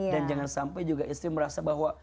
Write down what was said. dan jangan sampai juga istri merasa bahwa